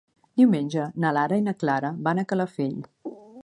Diumenge na Lara i na Clara van a Calafell.